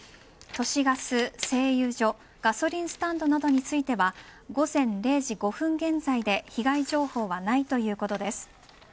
都市ガス、製油所ガソリンスタンドなどについては午前０時５分現在で被害情報はないということです。